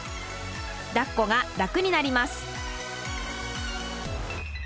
だっこが楽になります。